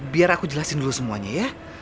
biar aku jelasin dulu semuanya ya